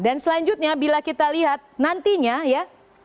dan selanjutnya bila kita lihat nantinya ya